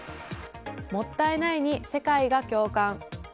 もったいないに世界が共感。